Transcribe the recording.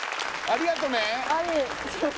ありがとう